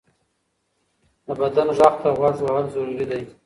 د بدن غږ ته غوږ وهل ضروري دی.